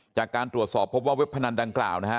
จากการตรวจสอบพบว่าเว็บพนันดังกล่าวนะฮะ